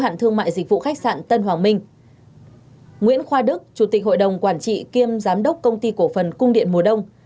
nguyễn khoa đức chủ tịch hội đồng quản trị kiêm giám đốc công ty cổ phần cung điện mùa đông